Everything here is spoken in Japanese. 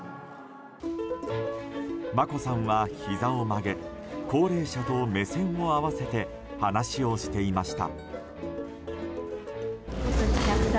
眞子さんは、ひざを曲げ高齢者と目線を合わせて話をしていました。